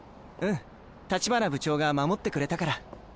うん橘部長が守ってくれたから。